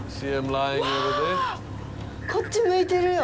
わあ、こっち向いてるよ。